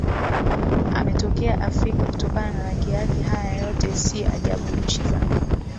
ametokea Afrika kutokana na rangi yake Haya yote si ajabu Nchi za